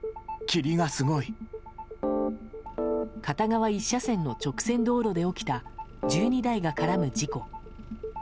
片側１車線の直線道路で起きた１２台が絡む事故。